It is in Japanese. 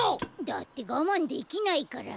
だってがまんできないから。